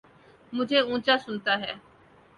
مجھے اونچا سنتا ہے